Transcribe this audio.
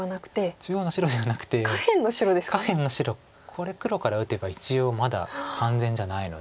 これ黒から打てば一応まだ完全じゃないので。